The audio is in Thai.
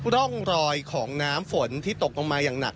ร่องรอยของน้ำฝนที่ตกลงมาอย่างหนัก